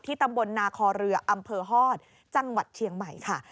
ตำบลนาคอเรืออำเภอฮอตจังหวัดเชียงใหม่ค่ะ